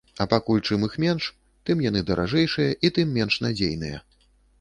А пакуль чым іх менш, тым яны даражэйшыя, і тым менш надзейныя.